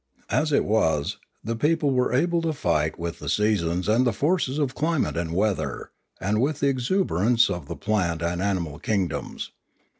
As it was, the peo ples were able to fight with the seasons and the forces of climate and weather, and with the exuberance of the plant and animal kingdoms.